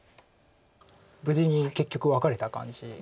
無事に結局ワカれた感じです。